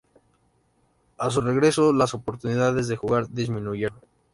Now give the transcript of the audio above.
A su regreso las oportunidades de jugar disminuyeron.